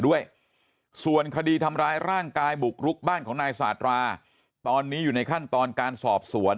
ด้วยส่วนคดีทำร้ายร่างกายบุกรุกบ้านของนายสาธาราตอนนี้อยู่ในขั้นตอนการสอบสวน